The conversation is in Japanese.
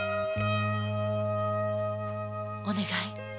お願い